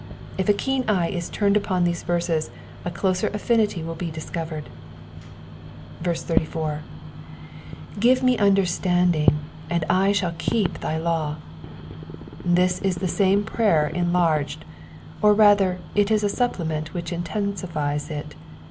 If a keen eye is turned upon these verses a closer affinity will be discerned. 84. ^^Oif>e me understandingy and I shall keep thy law.'*^ This is the same prayer enlarged, or rather it is a supplement which intensifies it.